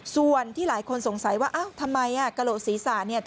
ส่วนที่หลายคนสงสัยว่าอ้าวทำไมอ่ะกระโหลกศีรษะเนี่ย